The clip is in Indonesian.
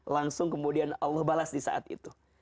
langsung kemudian allah balas disaat itu